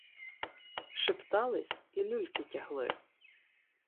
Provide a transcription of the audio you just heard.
Шептались і люльки тягли.